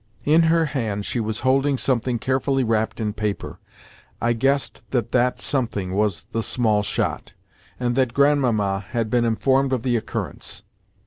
In her hand she was holding something carefully wrapped in paper. I guessed that that something was the small shot, and that Grandmamma had been informed of the occurrence.